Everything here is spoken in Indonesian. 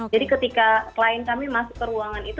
jadi ketika klien kami masuk ke ruangan itu